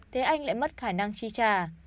thế anh lại mất khả năng chi trả